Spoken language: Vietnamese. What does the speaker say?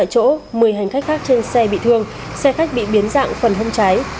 đ egent đi ngồi một mươi hành khách khác trên xe bị thương xe khách bị biến dạng phần hông trái